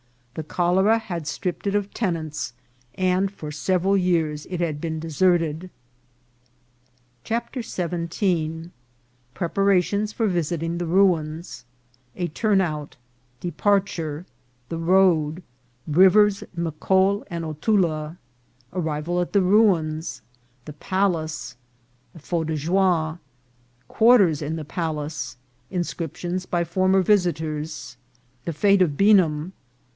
The cholera had strip ped it of tenants, and for several years it had been de serted. OUTFIT FOR VISITING THE RUINS. 289 CHAPTER XVII. Preparations for visiting the Ruins. — A Turn out. — Departure. — The Road. — Rivers Micol and Otula. — Arrival at the Ruins. — The Palace. — A Feu de joie. —Quarters in the Palace.— Inscriptions by former Visiters. — The Fate of Beanham.